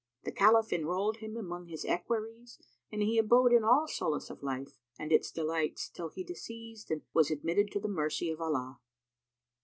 The Caliph enrolled him among his equerries and he abode in all solace of life and its delights till he deceased and was admitted to the mercy of Allah.